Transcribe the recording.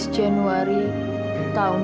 tiga belas januari tahun dua ribu satu